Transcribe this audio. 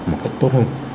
một cách tốt hơn